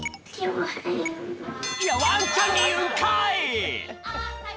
いやワンちゃんにいうんかい！